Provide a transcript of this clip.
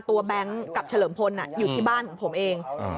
แบงค์กับเฉลิมพลอยู่ที่บ้านของผมเอง